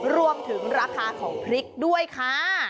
รวมถึงราคาของพริกด้วยค่ะ